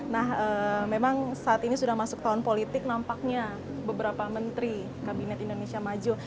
nah memang saat ini sudah masuk tahun politik nampaknya beberapa menteri kabinet indonesia maju